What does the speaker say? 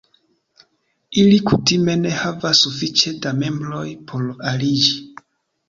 Ili kutime ne havas sufiĉe da membroj por aliĝi.